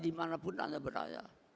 dimanapun anda berada